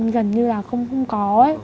gần như là không có ấy